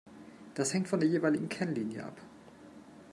Das hängt von der jeweiligen Kennlinie ab.